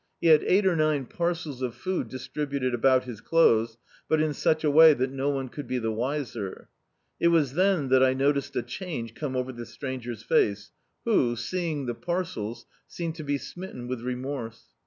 He had cig^t or nine parcels of food distributed about his clothes, but in such a way that no one could be the wiser. It was then that I noted a change come over the stranger's face, who seeing the parcels, seemed to be smitten with remorse.